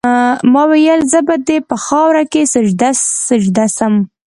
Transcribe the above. ما ویل زه به دي په خاوره کي سجده سجده سم